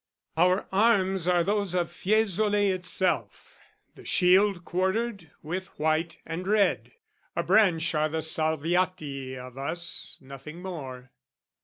Our arms are those of Fiesole itself, The shield quartered with white and red: a branch Are the Salviati of us, nothing more.